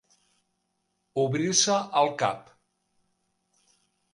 Obrir-se el cap.